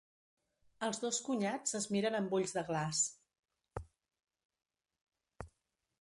Els dos cunyats es miren amb ulls de glaç.